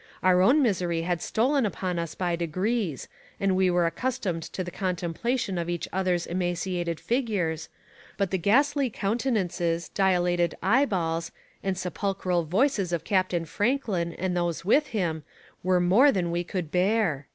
Our own misery had stolen upon us by degrees and we were accustomed to the contemplation of each other's emaciated figures, but the ghastly countenances, dilated eye balls, and sepulchral voices of Captain Franklin and those with him were more than we could bear.'